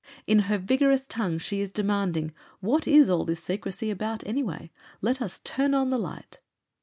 In her vigorous tongue she is demanding "What is all this secrecy about, anyway? Let us turn on the Light!"